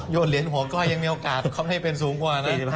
โยนเลี้ยนหัวก็ยังมีโอกาสครอบในเป็นสูงกว่านะ